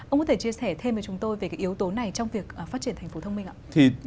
ông có thể chia sẻ thêm với chúng tôi về yếu tố này trong việc phát triển thành phố thông minh ạ